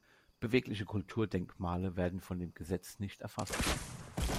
Bewegliche Kulturdenkmale werden von dem Gesetz nicht erfasst.